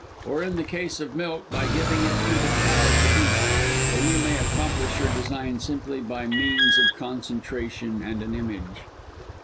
or in the case of milk, by giving it to the cow to eat; or you may accomplish your design simply by means of concentration and an image.